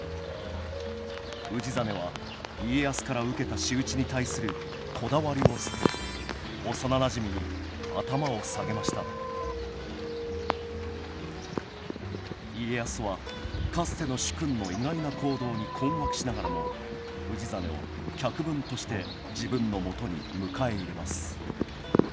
氏真は家康から受けた仕打ちに対するこだわりを捨て幼なじみに頭を下げました家康はかつての主君の意外な行動に困惑しながらも氏真を客分として自分のもとに迎え入れます